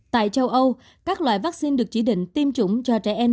tại châu âu các loại vaccine được chỉ định tiêm chủng cho trẻ em